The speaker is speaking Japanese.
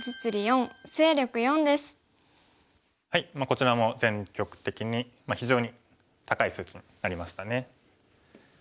こちらも全局的に非常に高い数値になりましたね。